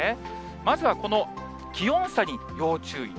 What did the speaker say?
まずはこの気温差に要注意。